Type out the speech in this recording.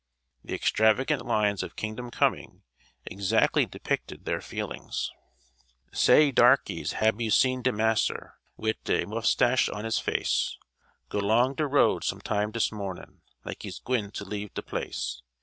The extravagant lines of "Kingdom Coming," exactly depicted their feelings: Say, darkies, hab you seen de mass'r, Wid de muffstach on his face, Go 'long de road some time dis mornin', Like he's gwine to leave de place?